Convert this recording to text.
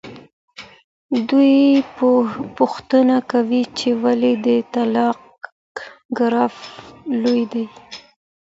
دوی پوښتنه کوي چې ولې د طلاق ګراف لوړ دی.